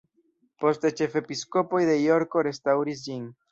Poste ĉefepiskopoj de Jorko restaŭris ĝin.